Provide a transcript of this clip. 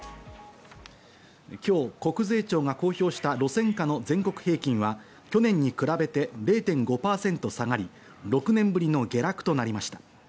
今日、国税庁が公表した路線価の全国平均は、去年に比べて０．５％下がり、６年ぶりの下落となりました。